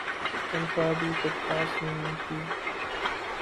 تنخواہ بھی کچھ خاص نہیں تھی ۔